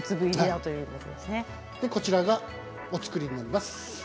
こちらがお造りになります。